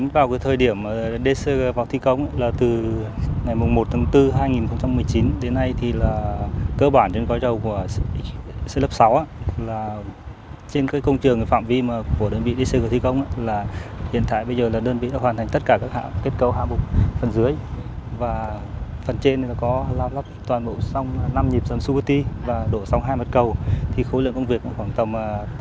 vào thời điểm dcg vào thi công là từ ngày một tháng bốn hai nghìn một mươi chín đến nay thì là cơ bản trên gói rầu của xe lớp sáu là trên cái công trường phạm vi của đơn vị dcg thi công là hiện tại bây giờ là đơn vị đã hoàn thành tất cả các hãng kết cấu hãng bục phần dưới và phần trên là có lao lắp toàn bộ xong năm nhịp xong super t và đổ xong hai mặt cầu thì khối lượng công việc khoảng tầm tám mươi